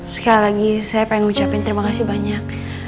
sekali lagi saya pengen ngucapin terima kasih banyak